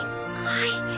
はい。